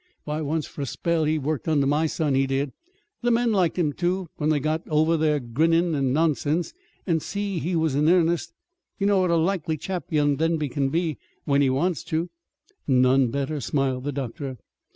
Why, once, fur a spell, he worked under my son he did. The men liked him, too, when they got over their grinnin' and nonsense, and see he was in earnest. You know what a likely chap young Denby can be, when he wants to." "None better!" smiled the doctor.